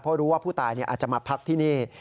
เพราะรู้ว่าผู้ตายอาจจะมาพักที่นี่